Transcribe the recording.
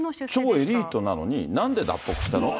超エリートなのに、なんで脱北したのと。